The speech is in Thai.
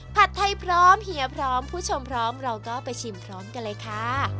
ผัดไทยพร้อมเฮียพร้อมผู้ชมพร้อมเราก็ไปชิมพร้อมกันเลยค่ะ